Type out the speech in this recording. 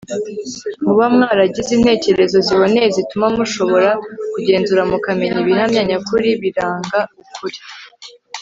muba mwaragize intekerezo ziboneye zituma mushobora kugenzura mukamenya ibihamya nyakuri biranga ukuri